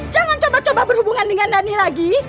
jangan coba coba berhubungan dengan dhani lagi